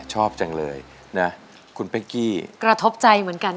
ชอบจังเลยนะ